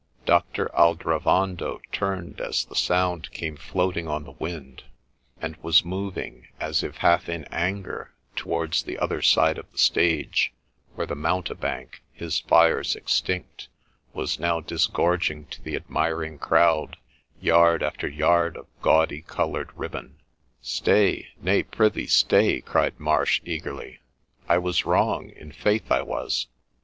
Doctor Aldrovando turned as the sound came floating on the wind, and was moving, as if half in anger, towards the other side of the stage, where the mountebank, his fires extinct, was now disgorging to the admir ing crowd yard after yard of gaudy coloured riband. ' Stay ! Nay, prithee stay !' cried Marsh, eagerly, ' I was wrong ; in faith I was.